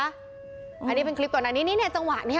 อันนี้เป็นคลิปตอนนั้นอันนี้ในจังหวะเนี่ย